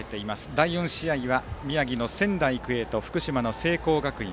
第４試合は宮城の仙台育英と福島の聖光学院。